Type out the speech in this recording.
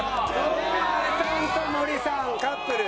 堂前さんと森さんカップル。